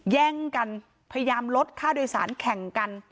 แย่งกันพยายามลดค่าโดยสารแข่งกัน